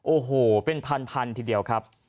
โอ้โหเป็นพันทีเดียวครับ